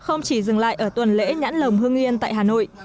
không chỉ dừng lại ở tuần lễ nhãn lồng hương yên tại hà nội